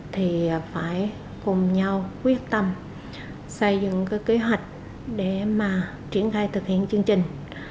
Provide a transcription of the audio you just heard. thì phải cùng nhau quyết tâm xây dựng kế hoạch để triển khai thực hiện chương trình